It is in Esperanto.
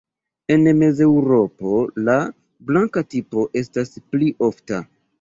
En Mezeŭropo la „blanka tipo“ estas pli ofta.